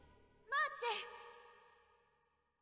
マーチ！